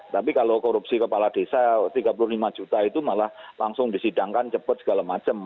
tapi kalau korupsi kepala desa tiga puluh lima juta itu malah langsung disidangkan cepat segala macam